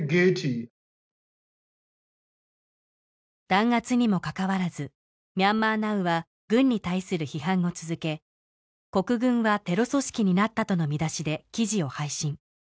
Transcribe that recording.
弾圧にもかかわらずミャンマーナウは軍に対する批判を続けとの見出しで記事を配信